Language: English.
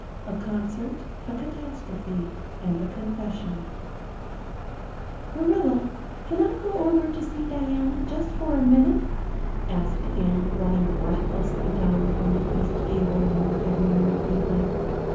A Concert a Catastrophe and a Confession MARILLA, can I go over to see Diana just for a minute?" asked Anne, running breathlessly down from the east gable one February evening.